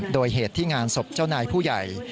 โดยเหตุที่งานศพเจ้านายผู้ใหญ่